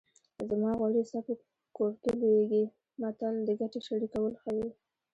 زما غوړي ستا په کورتو لوېږي متل د ګټې شریکول ښيي